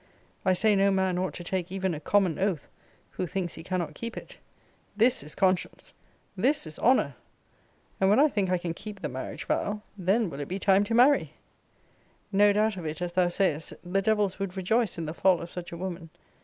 I say no man ought to take even a common oath, who thinks he cannot keep it. This is conscience! This is honour! And when I think I can keep the marriage vow, then will it be time to marry. * See Vol. III. Letter XXIII. Paragr. 4. No doubt of it, as thou sayest, the devils would rejoice in the fall of such a woman.